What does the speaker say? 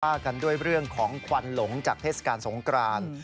กันด้วยเรื่องของควันหลงจากเทศกาลสงคราน